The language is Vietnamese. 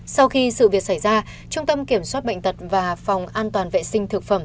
sau khi sự việc xảy ra trung tâm kiểm soát bệnh tật và phòng an toàn vệ sinh thực phẩm